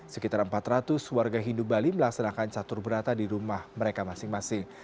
sekitar empat ratus warga hindu bali melaksanakan catur berata di rumah mereka masing masing